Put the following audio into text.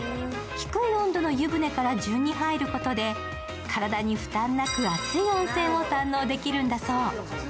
低い温度の湯船から順に入ることで、体に負担なく、熱い温泉を堪能できるんだそう。